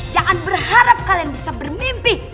jangan berharap kalian bisa bermimpi